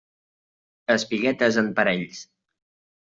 Espiguetes en parells.